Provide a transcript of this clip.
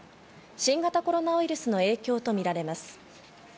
新型コロナウイルスの影響とみられます。